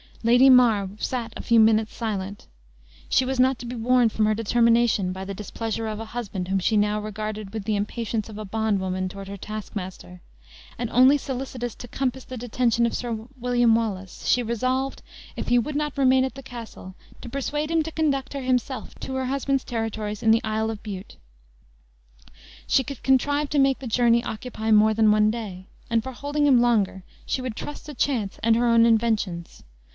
Lady Mar sat a few minutes silent. She was not to be warned from her determination by the displeasure of a husband whom she now regarded with the impatience of a bondwoman toward her taskmaster; and only solicitous to compass the detention of Sir William Wallace, she resolved, if he would not remain at the castle, to persuade him to conduct her himself to her husband's territories in the Isle of Bute. She could contrive to make the journey occupy more than one day, and for holding him longer she would trust to chance and her own inventions.